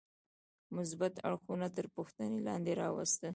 مثبت اړخونه تر پوښتنې لاندې راوستل.